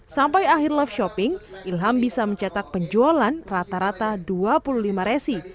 sampai akhir live shopping ilham bisa mencetak penjualan rata rata dua puluh lima resi